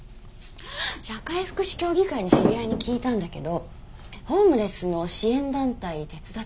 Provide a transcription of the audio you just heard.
社会福祉協議会の知り合いに聞いたんだけどホームレスの支援団体手伝ってるらしいわよ。